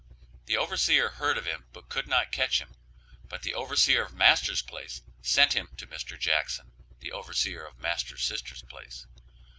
The overseer heard of him but could not catch him, but the overseer of master's place sent him to Mr. Jackson (the overseer of master's sister's place).